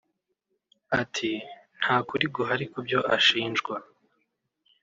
Ati “…nta kuri guhari ku byo ashinjwa